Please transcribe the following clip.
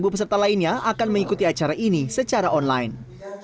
dua peserta lainnya akan mengikuti acara ini secara online